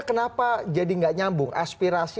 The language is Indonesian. kenapa jadi nggak nyambung aspirasi